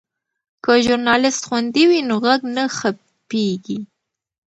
که ژورنالیست خوندي وي نو غږ نه خپیږي.